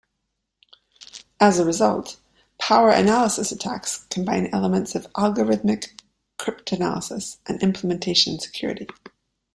As a result, power analysis attacks combine elements of algorithmic cryptanalysis and implementation security.